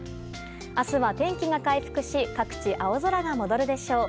明日は天気は回復し各地、青空が戻るでしょう。